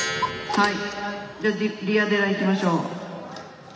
はい。